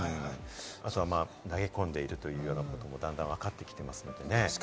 あとは投げ込んでいるというようなことも、だんだん分かってきていますのでね。